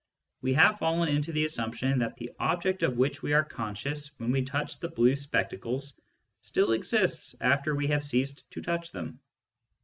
We have fallen into the assumption that the object of which we are conscious when we touch the blue spectacles still exists after we have ceased to touch them.